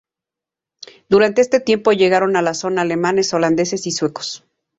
Durante este tiempo llegaron a la zona alemanes, holandeses y suecos.